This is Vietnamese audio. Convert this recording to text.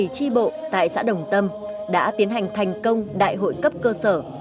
bảy chi bộ tại xã đồng tâm đã tiến hành thành công đại hội cấp cơ sở